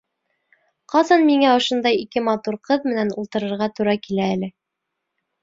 Ҡасан миңә ошондай ике матур ҡыҙ менән ултырырға тура килә әле.